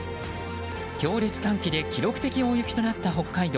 強烈寒気で記録的大雪となった北海道。